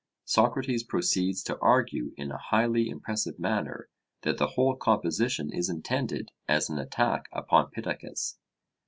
Socrates proceeds to argue in a highly impressive manner that the whole composition is intended as an attack upon Pittacus.